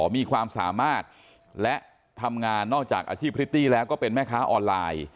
มีความสามารถและทำงานนอกจากอาชีพพริตตี้แล้วก็เป็นแม่ค้าออนไลน์